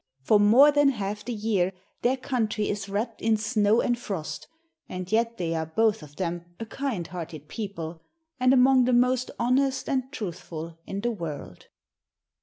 For more than half the year their country is wrapped in snow and frost, and yet they are both of them a kind hearted people, and among the most honest and truthful in the world.